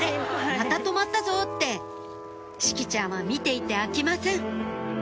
また止まったぞ」って志葵ちゃんは見ていて飽きません